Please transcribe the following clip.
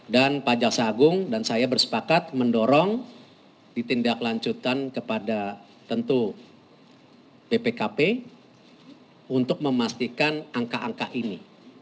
dan pak jaksa agung dan saya bersepakat mendorong ditindak lanjutan kepada tentu bpkp untuk memastikan angka angka ini